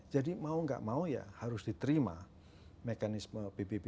jadi mau nggak mau ya harus diterima mekanisme pbb